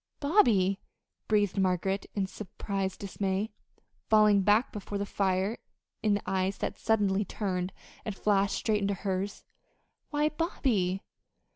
"Bobby!" breathed Margaret in surprised dismay, falling back before the fire in the eyes that suddenly turned and flashed straight into hers. "Why, Bobby!"